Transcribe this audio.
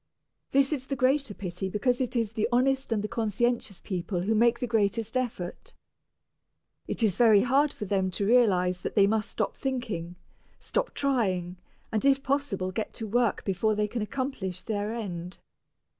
This is the greater pity because it is the honest and the conscientious people who make the greatest effort. It is very hard for them to realize that they must stop thinking, stop trying, and if possible get to work before they can accomplish their end.